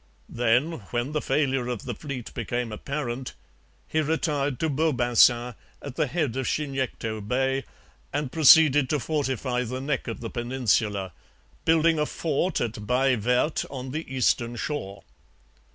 Then, when the failure of the fleet became apparent, he retired to Beaubassin at the head of Chignecto Bay, and proceeded to fortify the neck of the peninsula, building a fort at Baie Verte on the eastern shore.